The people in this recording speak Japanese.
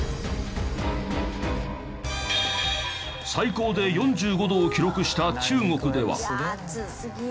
最高で４５度を記録した中国では。